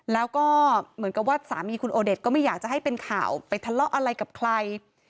แล้วก็เหมือนกับว่าสามีคุณโอเดชก็ไม่อยากจะให้เป็นข่าวไปทะเลาะอะไรกับใคร